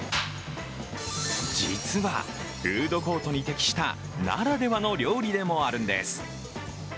実は、フードコートに適した、ならではの料理でもあるんです。